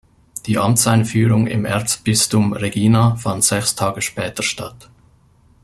Die Amtseinführung im Erzbistum Regina fand sechs Tage später statt.